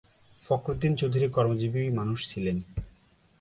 ফখরুদ্দিন চৌধুরী কর্মজীবী মানুষ ছিলেন।